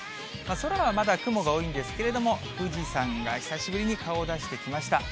空はまだ雲が多いんですけれども、富士山が久しぶりに顔を出してきました。